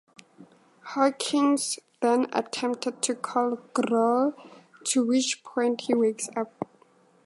Hawkins' then attempts to call Grohl, to which point he wakes up.